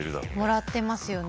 もらってますよね。